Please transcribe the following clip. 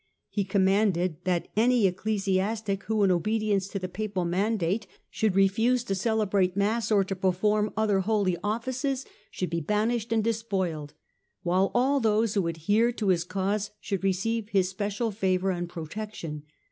He com manded that any ecclesiastic who, in obedience to the Papal mandate, should refuse to celebrate Mass or to perform other holy offices, should be banished and de spoiled : while all those who adhered to his cause should receive his special favour and protection.